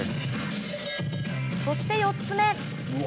そして４つ目。